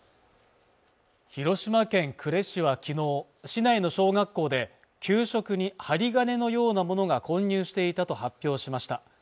広島県呉市はきのう市内の小学校で給食に針金のようなものが混入していたと発表しました